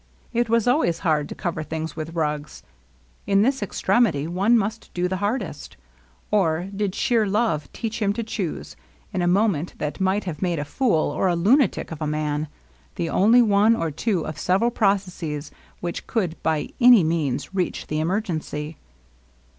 It was always hard to cover things with rugs. In this extremity one must do the hardest. Or did sheer love teach him to choose, in a moment that might have made a fool LOVELINESS. 11 or a lunatic of a man^ the only one or two of several processes which could by any means reach the emer^ gency?